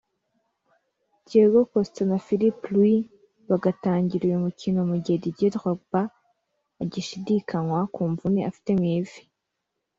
Diego Costa na Filipe Luis bagatangira uyu mukino mu gihe Didier Drogba agishidikanywa ku mvune afite mu ivi